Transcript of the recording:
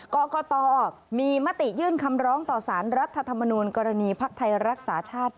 กรกตมีมติยื่นคำร้องต่อสารรัฐธรรมนูลกรณีภักดิ์ไทยรักษาชาติ